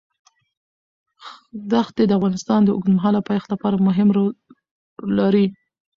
ښتې د افغانستان د اوږدمهاله پایښت لپاره مهم رول لري.